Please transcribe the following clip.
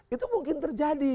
itu mungkin terjadi